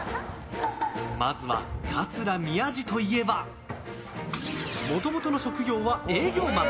まずは、桂宮治といえばもともとの職業は営業マン。